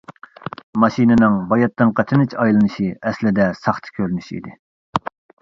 ماشىنىنىڭ باياتىنقى تىنچ ئايلىنىشى ئەسلىدە ساختا كۆرۈنۈش ئىدى.